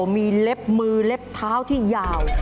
มีเล็บมือเล็บเท้าที่ยาว